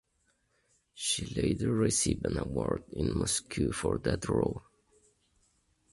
She later received an award in Moscow for that role.